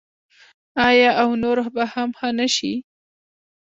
آیا او نور به هم ښه نشي؟